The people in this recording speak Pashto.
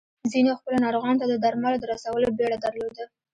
ځينو خپلو ناروغانو ته د درملو د رسولو بيړه درلوده.